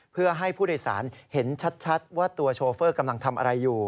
เพื่อให้ผู้โดยสารเห็นชัดว่าตัวโชเฟอร์กำลังทำอะไรอยู่